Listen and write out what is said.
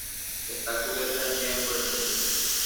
Está cubierta de nieve por el momento.